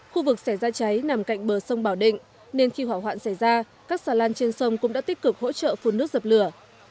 khu vực xảy ra cháy nằm cạnh bờ sông bảo định nên khi hỏa hoạn xảy ra các xà lan trên sông cũng đã tích cực hỗ trợ phun nước dập lửa